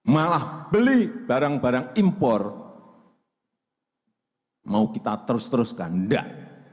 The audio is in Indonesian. malah beli barang barang impor mau kita terus teruskan enggak